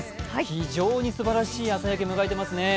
非常にすばらしい朝焼け、のぞいていますね。